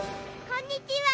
こんにちは。